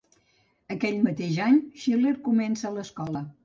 Aquell mateix any, Schiller comença l'escola.